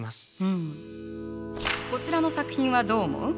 こちらの作品はどう思う？